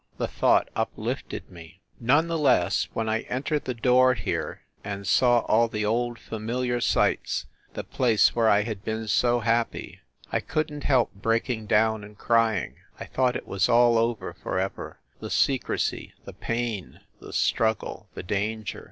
The thought uplifted me. None the less, when I entered the door, here, and saw all the old, familiar sights, the place where I had been so happy, I couldn t help breaking down and crying. I thought it was all over for ever, the secrecy, the pain, the struggle, the danger.